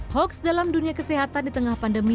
hoax dalam dunia kesehatan di tengah pandemi